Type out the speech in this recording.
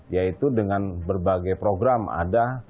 yaitu dengan berbagai program ada